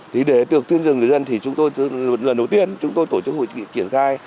thì để được tuyên truyền cho người dân thì lần đầu tiên chúng tôi tổ chức hội triển khai